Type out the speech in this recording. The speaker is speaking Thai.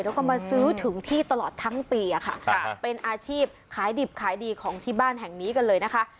แล้วก็มาซื้อถึงที่ตลอดทั้งปีค่ะเป็นอาชีพขายดิบขายดีของที่บ้านแห่งนี้กันเลยนะคะ